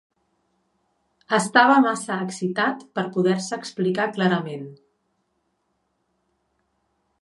Estava massa excitat per poder-se explicar clarament